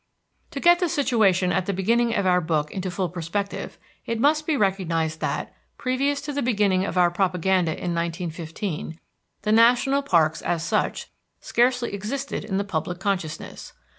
To get the situation at the beginning of our book into full perspective, it must be recognized that, previous to the beginning of our propaganda in 1915, the national parks, as such, scarcely existed in the public consciousness.